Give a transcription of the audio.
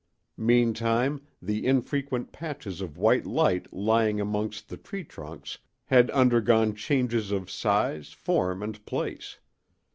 Meantime the infrequent patches of white light lying amongst the tree trunks had undergone changes of size, form and place.